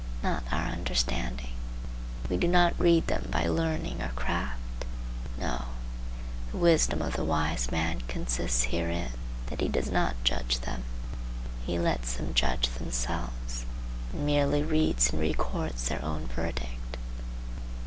Not our understanding. We do not read them by learning or craft. No; the wisdom of the wise man consists herein, that he does not judge them; he lets them judge themselves and merely reads and records their own verdict.